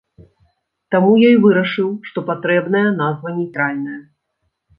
Таму я і вырашыў, што патрэбная назва нейтральная.